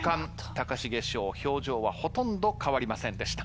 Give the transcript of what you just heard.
高重翔表情はほとんど変わりませんでした。